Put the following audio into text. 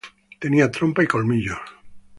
Tenía trompa y colmillos.